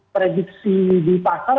prediksi di pasar